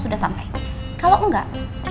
sudah sampai kalau enggak